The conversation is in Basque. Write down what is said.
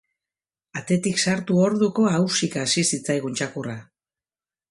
Atetik sartu orduko ahausika hasi zitzaigun txakurra.